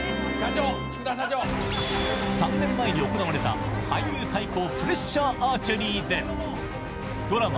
３年前に行われた俳優対抗プレッシャーアーチェリーでドラマ